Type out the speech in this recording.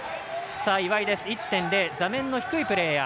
岩井、１．０座面の低いプレーヤー。